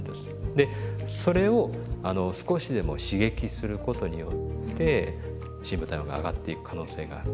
でそれを少しでも刺激することによって深部体温が上がっていく可能性がある。